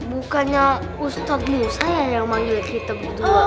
bukannya ustadz musa yang yang manggil kita begitu